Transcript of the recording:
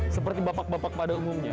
seperti bapak bapak pada umumnya